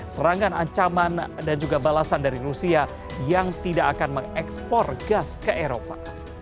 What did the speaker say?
serangan ancaman dan juga balasan dari rusia yang tidak akan mengekspor gas ke eropa